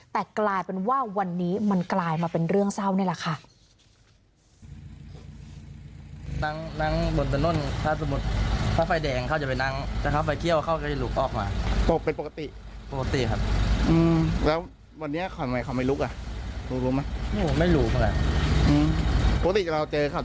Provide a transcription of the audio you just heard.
แต่กลายเป็นว่าวันนี้มันกลายมาเป็นเรื่องเศร้านี่แหละค่ะ